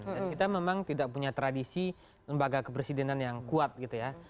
dan kita memang tidak punya tradisi lembaga kepresidenan yang kuat gitu ya